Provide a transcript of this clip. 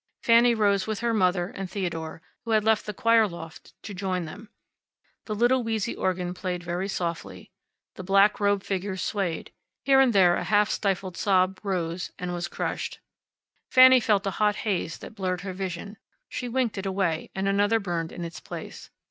Fanny rose with her mother and Theodore, who had left the choir loft to join them. The little wheezy organ played very softly. The black robed figures swayed. Here and there a half stifled sob rose, and was crushed. Fanny felt a hot haze that blurred her vision. She winked it away, and another burned in its place.